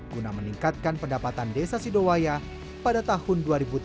guna meningkatkan pendapatan desa sidowaya pada tahun dua ribu tujuh belas